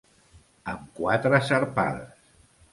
Amb quatre sarpades.